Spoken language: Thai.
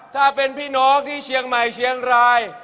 ถ้าเป็นพี่น้องที่เชียงใหม่เชียงราย